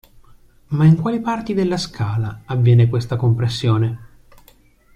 Ma in quali parti della scala avviene questa compressione?